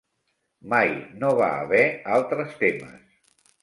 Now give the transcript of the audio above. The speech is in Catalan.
Mai no va haver altres temes.